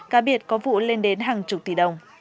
cá biệt có vụ lên đến hàng chục tỷ đồng